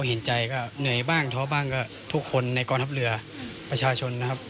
เห็นใจก็เหนื่อยบ้างท้อบ้างก็ทุกคนในกองทัพเรือประชาชนนะครับ